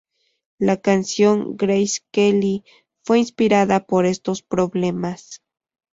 La canción "Grace Kelly" fue inspirada por estos problemas.